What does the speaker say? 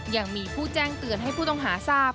ยังมีผู้แจ้งเตือนให้ผู้ต้องหาทราบ